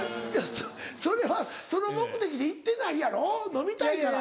それはその目的で行ってないやろ飲みたいから。